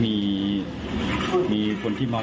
สวัสดีครับคุณผู้ชาย